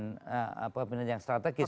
dan apa yang strategis